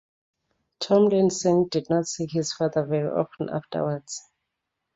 Tomlinson did not see his father very often afterwards.